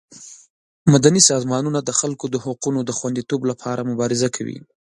مدني سازمانونه د خلکو د حقونو د خوندیتوب لپاره مبارزه کوي.